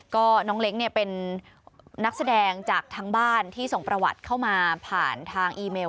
ก็น้องเล้งเนี่ยเป็นนักแสดงจากทางบ้านที่ส่งประวัติเข้ามาผ่านทางอีเมล